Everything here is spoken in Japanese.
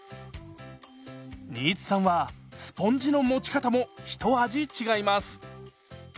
新津さんはスポンジの持ち方も一味違います。